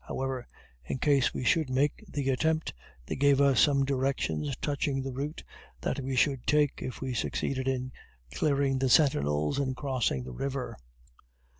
However, in case we should make the attempt, they gave us some directions touching the route that we should take if we succeeded in clearing the sentinels and crossing the river.